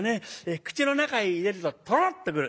口の中へ入れるとトロッと来る。